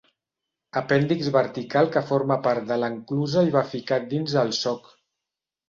Apèndix vertical que forma part de l'enclusa i va ficat dins el soc.